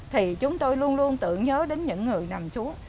thì chúng tôi luôn luôn tự nhớ đến những người nằm chúa